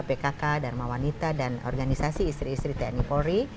pkk dharma wanita dan organisasi istri istri tni polri